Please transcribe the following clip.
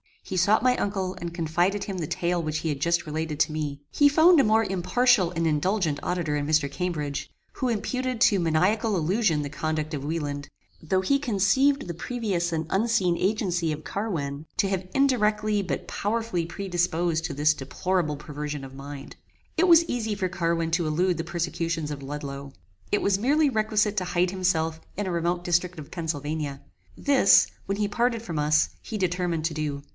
He sought my uncle, and confided to him the tale which he had just related to me. He found a more impartial and indulgent auditor in Mr. Cambridge, who imputed to maniacal illusion the conduct of Wieland, though he conceived the previous and unseen agency of Carwin, to have indirectly but powerfully predisposed to this deplorable perversion of mind. It was easy for Carwin to elude the persecutions of Ludloe. It was merely requisite to hide himself in a remote district of Pennsylvania. This, when he parted from us, he determined to do.